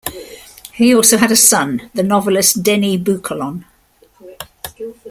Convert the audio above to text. He also had a son, the novelist Denis Boucolon.